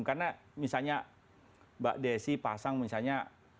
karena misalnya mbak desi pasang misalnya